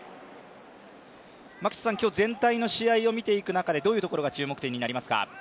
全体の試合を見ていく中で、どういうところが注目点になりますか。